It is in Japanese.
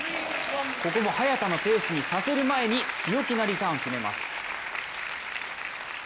ここも早田のペースにさせる前に強気なリターンを決めます。